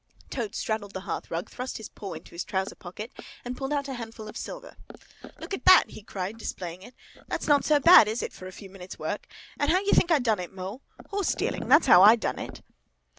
Toad straddled on the hearth rug, thrust his paw into his trouser pocket and pulled out a handful of silver. "Look at that!" he cried, displaying it. "That's not so bad, is it, for a few minutes' work? And how do you think I done it, Mole? Horse dealing! That's how I done it!"